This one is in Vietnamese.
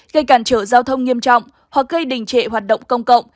gây cản trở giao thông nghiêm trọng hoặc gây đình trệ hoạt động công cộng